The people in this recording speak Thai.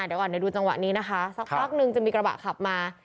เดี๋ยวก่อนเดี๋ยวดูจังหวะนี้นะคะสักพักนึงจะมีกระบะขับมา